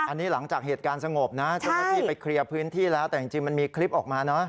อันนี้หลังจากเหตุการณ์สงบนะเจ้าหน้าที่ไปเคลียร์พื้นที่แล้วแต่จริงมันมีคลิปออกมานะ